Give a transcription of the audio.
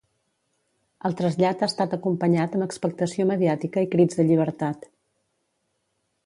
El trasllat ha estat acompanyat amb expectació mediàtica i crits de llibertat.